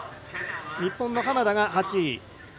日本の浜田が８位。